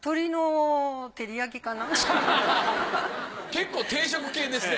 結構定食系ですね。